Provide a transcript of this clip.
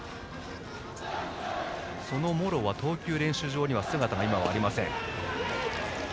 その茂呂は投球練習場に姿は今はありません。